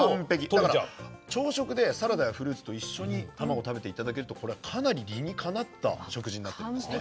だから朝食でサラダやフルーツと一緒にたまご食べて頂けるとこれはかなり理にかなった食事になってるんですね。